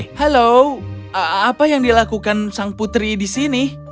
halo apa yang dilakukan sang putri di sini